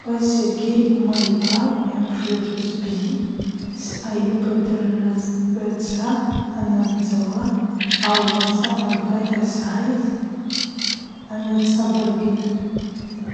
Пӏаз Сергей Умар йпа йапш гӏвычӏвгӏвыс бзи съайабадырызгӏваца абанамдзауа, ауигӏваца абгата съагӏайыз гӏанарцӏабыргитӏ.